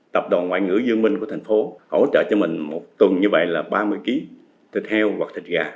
tập đoàn ngoại ngữ dương minh của thành phố hỗ trợ cho mình một tuần như vậy là ba mươi kg thịt heo hoặc thịt gà